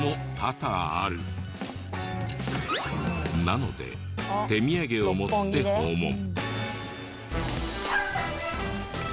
なので手土産を持って訪問。